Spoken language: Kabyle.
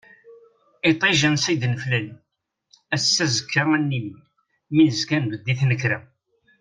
Iṭij ansa i d-neflali, ass-a azekka ad nili, mi nezga nbedd i tnekra.